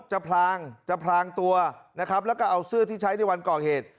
พลางจะพลางตัวนะครับแล้วก็เอาเสื้อที่ใช้ในวันก่อเหตุ